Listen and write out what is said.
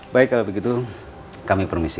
baik kalau begitu kami permisi